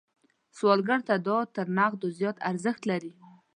سوالګر ته دعا تر نغدو زیات ارزښت لري